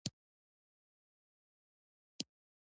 هغه سره به همکاري وکړي.